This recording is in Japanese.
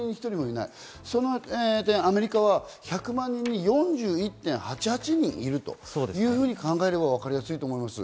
その点、アメリカは１００万人で４１．８８人いるというふうに考えればわかりやすいと思います。